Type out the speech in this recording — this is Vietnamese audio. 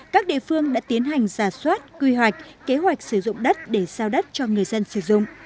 các địa phương đã tiến hành giả soát quy hoạch kế hoạch sử dụng đất để giao đất cho người dân sử dụng